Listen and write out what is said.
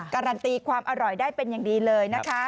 การันตีความอร่อยได้เป็นอย่างดีเลยนะคะ